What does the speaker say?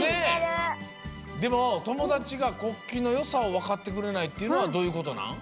でもともだちが国旗のよさをわかってくれないっていうのはどういうことなん？